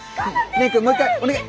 蓮くんもう一回お願い！